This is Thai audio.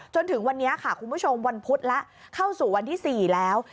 จนถึงวันนี้ค่ะคุณผู้ชมวันพุธแล้วเข้าสู่วันที่๔แล้ว